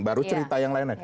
baru cerita yang lainnya